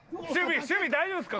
守備大丈夫ですか？